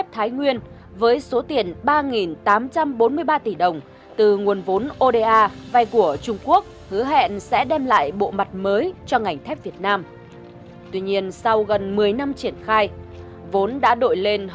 không trọng điểm